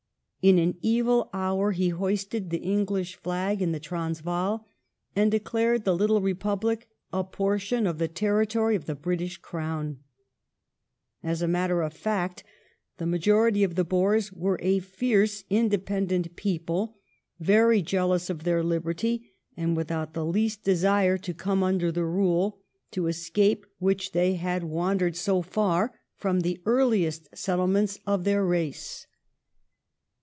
In an evil hour he hoisted the English flag: in the Transvaal and declared the little republic a portion of the territory of the British crown. As a matter of fact, the majority of the Boers were a fierce, independent people, very jealous of their liberty, and without the least desire to come under the rule to escape which they had wan 351 352 THE STORY OF GLADSTOiNE'S LIFE dered so far from the earliest settlements of their race."